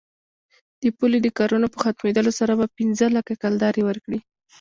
د پولې د کارونو په ختمېدلو سره به پنځه لکه کلدارې ورکړي.